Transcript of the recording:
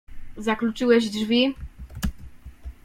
Zakluczyłeś drzwi?